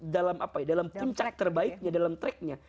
dalam puncak terbaiknya